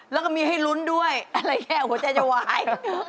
แล้วก็มีให้ลุ้นด้วยอะไรอย่างนี้หัวใจจะวาย